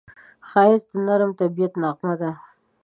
ښایست د نرم طبیعت نغمه ده